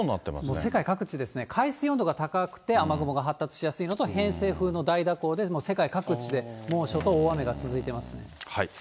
もう世界各地ですね、海水温度が高くて雨雲が発達しやすいのと、偏西風の大蛇行で世界各地で猛暑と大雨が続いています。